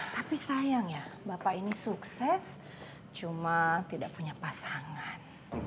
tapi sayang ya bapak ini sukses cuma tidak punya pasangan